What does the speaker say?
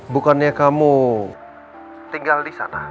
bukannya kamu tinggal di sana